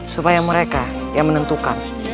supaya mereka yang menentukan